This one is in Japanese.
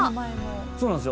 そうなんですよ。